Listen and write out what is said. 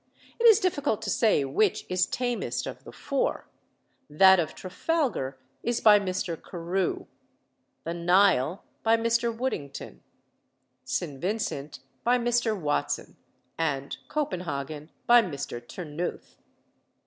It is difficult to say which is tamest of the four. That of "Trafalgar" is by Mr. Carew; the "Nile," by Mr. Woodington; "St. Vincent," by Mr. Watson; and "Copenhagen," by Mr. Ternouth.